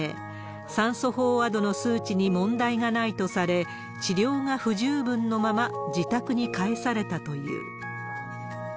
酸素飽和度の数値に問題がないとされ、治療が不十分のまま自宅に帰されたという。